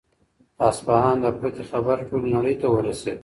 د اصفهان د فتحې خبر ټولې نړۍ ته ورسېد.